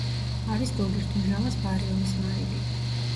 არის გოგირდმჟავას ბარიუმის მარილი.